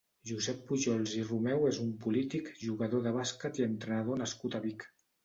Josep Pujols i Romeu és un polític, jugador de bàsquet i entrenador nascut a Vic.